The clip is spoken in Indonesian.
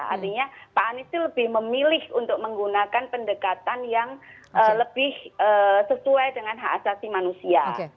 artinya pak anies itu lebih memilih untuk menggunakan pendekatan yang lebih sesuai dengan hak asasi manusia